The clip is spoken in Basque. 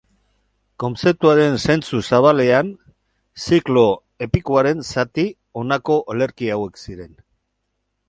Kontzeptuaren zentzu zabalean, ziklo epikoaren zati, honako olerki hauek ziren.